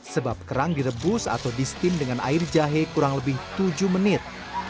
sebab kerang direbus atau di steam dengan air jahe kurang lebih tujuh menit